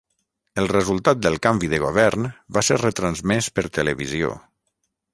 El resultat del canvi de govern va ser retransmès per televisió.